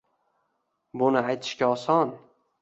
Buni aytishga oson.